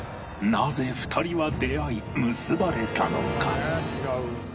なぜ２人は出会い結ばれたのか？